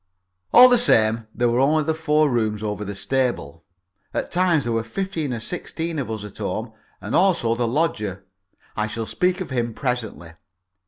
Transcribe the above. All the same, there were only the four rooms over the stable. At times there were fifteen or sixteen of us at home, and also the lodger I shall speak of him presently.